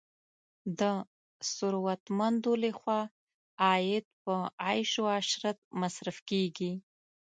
د ثروتمندو لخوا عاید په عیش او عشرت مصرف کیږي.